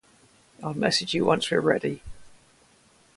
I'll message you once we're ready.